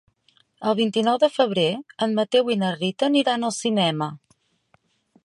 El vint-i-nou de febrer en Mateu i na Rita aniran al cinema.